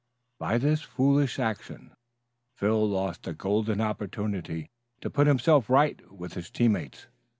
By this foolish action Phil lost a golden opportunity to put himself "right" with his teammates.